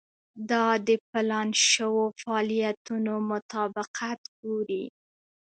دا د پلان شوو فعالیتونو مطابقت ګوري.